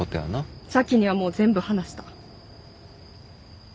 咲妃にはもう全部話した。